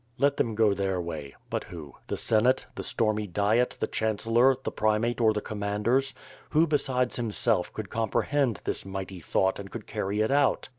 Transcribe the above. Let them go their way. But who? The Senate, the stormy diet, the chancellor, the primate or the commanders? Who besides himself could comprehend this mighty thought and could carry it out?